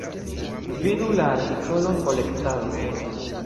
Vidu la artikolon Kolektado.